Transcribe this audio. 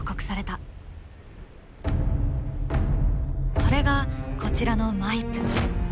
それがこちらのマイプ。